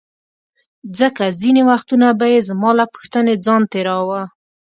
ځکه ځیني وختونه به یې زما له پوښتنې ځان تیراوه.